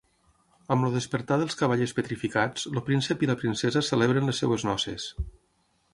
Amb el despertar dels cavallers petrificats, el príncep i la princesa celebren les seves noces.